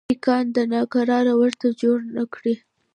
سیکهان ناکراري ورته جوړي نه کړي.